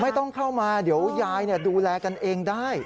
ไม่ต้องเข้ามาเดี๋ยวยายดูแลกันเองได้